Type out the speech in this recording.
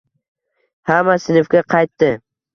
Hamma sinfga qaytdi